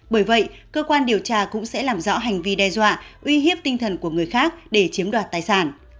bởi vậy cơ quan điều tra cũng sẽ làm rõ hành vi đe dọa uy hiếp tinh thần của người khác để chiếm đoạt tài sản